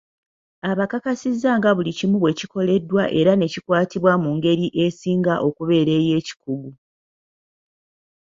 Abakakasiza nga buli kimu bwekikoleddwa era nekikwatibwa mu ngeri esinga okubeera ey'ekikugu.